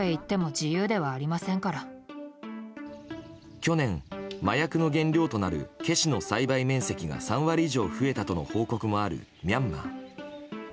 去年、麻薬の原料となるケシの栽培面積が３割以上増えたとの報告もあるミャンマー。